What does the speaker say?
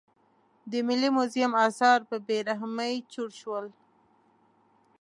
د ملي موزیم اثار په بې رحمۍ چور شول.